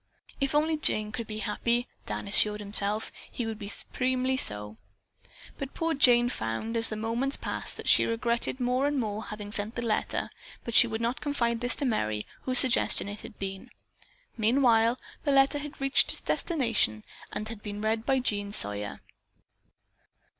If only Jane could be happy, Dan assured himself, he would be supremely so. But poor Jane found, as the moments passed, that she regretted more and more having sent the letter, but she would not confide this to Merry, whose suggestion it had been. Meanwhile the letter had reached its destination and had been read by Jean Sawyer.